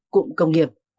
cụm công nghiệp